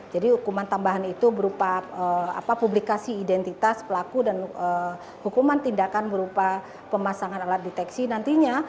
jadi hukuman tambahan itu berupa publikasi identitas pelaku dan hukuman tindakan berupa pemasangan alat deteksi nantinya